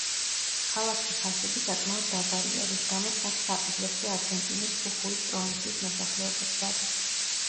ქალაქში ფასები საკმაოდ დაბალია, რის გამოც, აქ საყიდლებზე არგენტინის ხუხუის პროვინციის მოსახლეობაც დადის.